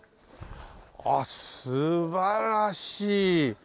あっ素晴らしい。